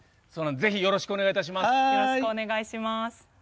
ぜひよろしくお願いいたします。